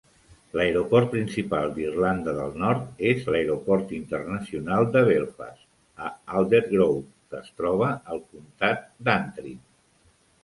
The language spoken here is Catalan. L'aeroport principal d'Irlanda del Nord és l'Aeroport internacional de Belfast, a Aldergrove, que es troba al comtat d'Antrim.